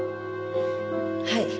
はい。